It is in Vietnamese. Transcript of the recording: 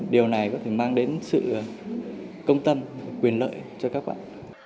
điều này có thể mang đến sự công tâm quyền lợi cho các bạn